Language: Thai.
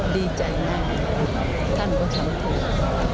ดีใจมากท่านก็ทำถูก